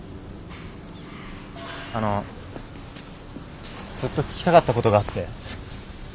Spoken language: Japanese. あのずっと聞きたかったことがあって。